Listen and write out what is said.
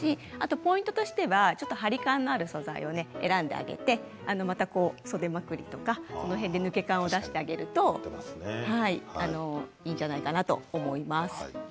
ポイントとしては張り感のある素材を選んであげて袖まくりとかで抜け感を出してあげるといいんじゃないかなと思います。